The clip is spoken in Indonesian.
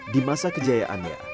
di masa kejayaannya